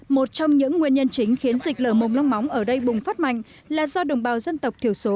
một trong những nguyên nhân chính khiến dịch lở mồm long móng ở đây bùng phát mạnh là do đồng bào dân tộc thiểu số